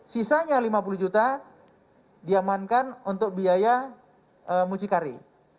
sisanya lima puluh juta diamankan untuk biaya mucikari